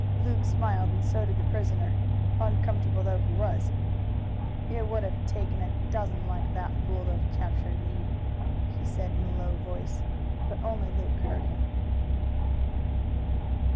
Luke smiled and so did the prisoner, uncomfortable though he was. "It would have taken a dozen like that fool to have captured me," he said in a low voice, but only Luke heard him.